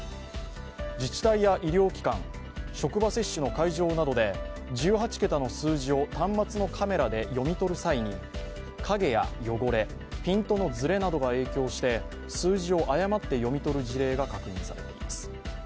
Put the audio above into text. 自治体や医療機関、職場接種の会場などで１８桁の数字を端末のカメラで読み取る際にかげや汚れ、ピントのずれなどが影響して数字を誤って読み取る事例が確認されています。